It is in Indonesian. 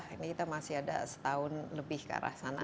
ini kita masih ada setahun lebih ke arah sana